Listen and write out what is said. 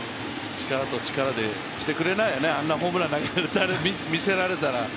力と力でしてくれないよね、あんなホームラン見せられたら。